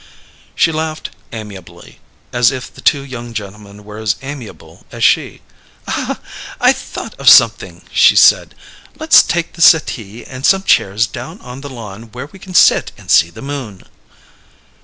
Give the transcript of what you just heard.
She laughed amiably, as if the two young gentlemen were as amiable as she. "I've thought of something," she said. "Let's take the settee and some chairs down on the lawn where we can sit and see the moon."